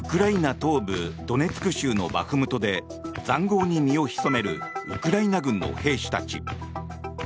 東部ドネツク州のバフムトで塹壕に身をひそめるウクライナ軍の兵士たち。